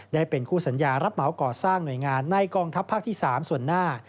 ได้เป็นคู่สัญญารับเหมาก่อสร้างหน่วยงานในกองทัพภาคที่๓ส่วนหน้า